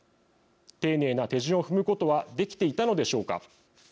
丁寧な手順を踏むことはできていたのでしょうか。